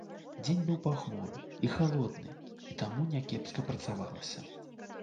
Дзень быў пахмуры і халодны, і таму някепска працавалася.